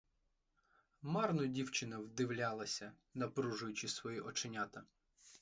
Марно дівчина вдивлялася, напружуючи свої оченята.